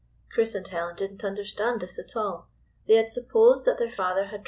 Chris and Helen did n't understand this at all. They had supposed that their father had 232 Gypsy — 12.